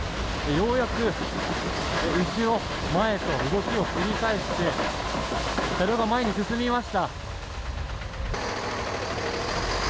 ようやく後ろ、前と動きを繰り返して車両が前に進みました。